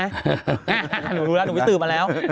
หนูรู้แล้วหนูไปสืบมาแล้ว